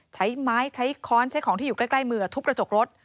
ใช้ไม้ใช้ค้อนใช้ของที่อยู่ใกล้มือทุบกระจกรถ